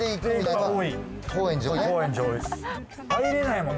入れないもん